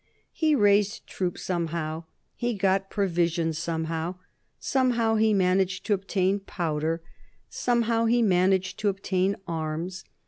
He raised troops somehow; he got provisions somehow; somehow he managed to obtain powder; somehow he managed to obtain arms.